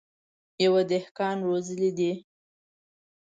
يوه دهقان روزلي دي.